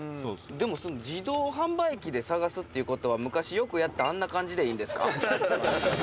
「でも自動販売機で探すっていう事は昔よくやったあんな感じでいいんですか？」